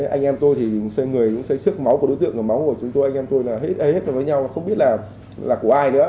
anh em tôi thì xây xước máu của đối tượng máu của chúng tôi anh em tôi là hết với nhau không biết là của ai nữa